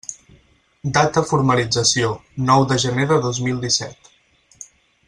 Data formalització: nou de gener de dos mil disset.